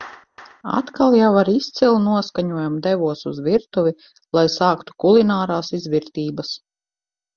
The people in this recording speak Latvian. Atkal jau ar izcilu noskaņojumu devos uz virtuvi, lai sāktu kulinārās izvirtības.